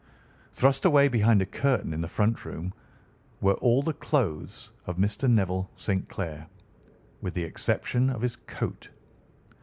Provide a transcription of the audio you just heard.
Thrust away behind a curtain in the front room were all the clothes of Mr. Neville St. Clair, with the exception of his coat.